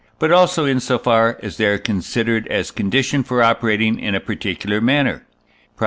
but also in so far as they are considered as conditioned for operating in a particular manner (Prop.